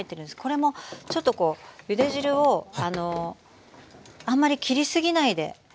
これもちょっとこうゆで汁をあんまりきりすぎないで。